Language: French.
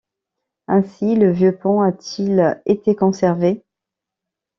Ainsi le vieux pont a-t-il été conservé.